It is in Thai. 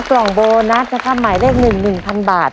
กล่องโบนัสนะครับหมายเลข๑๑๐๐๐บาท